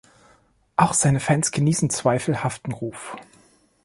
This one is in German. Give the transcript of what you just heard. Auch seine Fans genießen zweifelhaften Ruf.